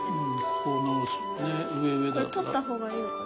これとったほうがいいのかな？